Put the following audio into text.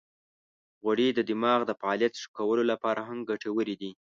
غوړې د دماغ د فعالیت ښه کولو لپاره هم ګټورې دي.